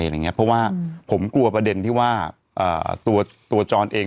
อะไรอย่างเงี้ยเพราะว่าผมกลัวประเด็นที่ว่าตัวตัวจรเอง